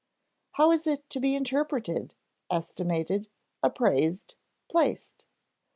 How is it to be interpreted, estimated, appraised, placed?